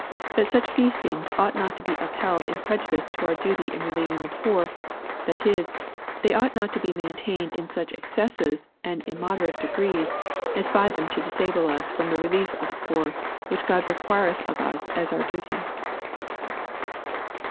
That such feastings ought not to be upheld in prejudice to our duty in relieving the poorj that is, they ought not to be maintained in such excesses and immoderate degrees, as by them to disable us from that relief of the poor, which God requireth of us as our duty."